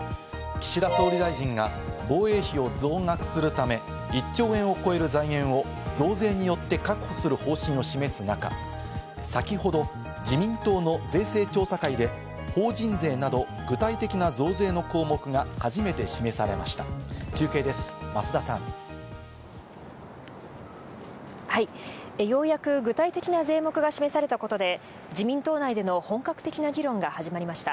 岸田総理大臣が防衛費を増額するため、１兆円を超える財源を増税によって確保する方針を示す中、先ほど自民党の税制調査会で法人税など具体的な増税の項目が初めて示されました。